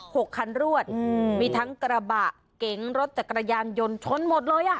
หกคันรวดอืมมีทั้งกระบะเก๋งรถจักรยานยนต์ชนหมดเลยอ่ะ